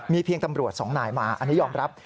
เพียงตำรวจสองนายมาอันนี้ยอมรับ